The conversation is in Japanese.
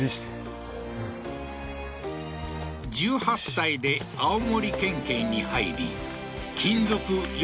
１８歳で青森県警に入り勤続